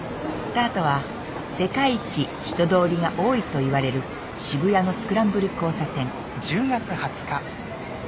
スタートは世界一人通りが多いと言われる渋谷のスクランブル交差点。